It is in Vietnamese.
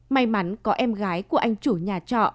may mắn có em gái của anh chủ nhà trọ